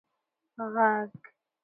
ږغ